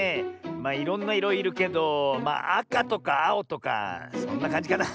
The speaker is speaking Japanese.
まあいろんないろいるけどあかとかあおとかそんなかんじかな。